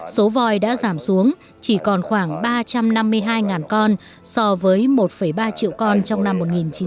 số voi đã giảm xuống chỉ còn khoảng ba trăm năm mươi hai con so với một ba triệu con trong năm một nghìn chín trăm tám mươi